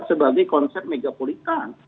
sebagai konsep megapolitan